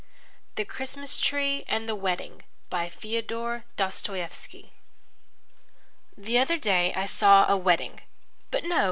THE CHRISTMAS TREE AND THE WEDDING BY FIODOR M. DOSTOYEVSKY The other day I saw a wedding... But no!